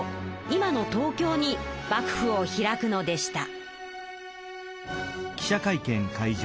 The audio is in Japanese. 今の東京に幕府を開くのでした。